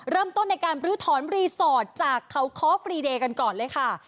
เริ่มต้นในการบรื้อถอนรีสอร์ทจากเขาคอฟฟรีเดย์กันก่อนเลยค่ะ